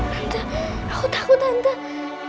aku takut aku takut